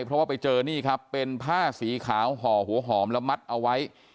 เพราะว่าไปเจอนี่ครับเป็นผ้าสีขาวห่อหัวหอมแล้วมัดเอาไว้